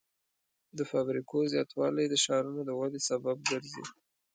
د فابریکو زیاتوالی د ښارونو د ودې سبب ګرځي.